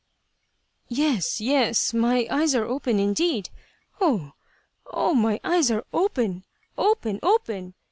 " Yes, yes, my eyes are open indeed ! Oh, oh, my eyes are open, open, open